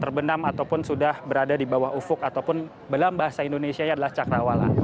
terbenam ataupun sudah berada di bawah ufuk ataupun dalam bahasa indonesia adalah cakrawala